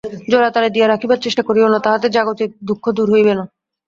জোড়াতালি দিয়া রাখিবার চেষ্টা করিও না, তাহাতে জাগতিক দুঃখ দূর হইবে না।